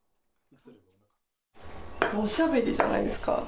おしゃべりじゃないですか？